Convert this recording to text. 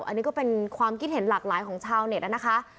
อันนี้ก็เป็นความคิดเห็นหลากหลายของชาวเน็ตนะคะ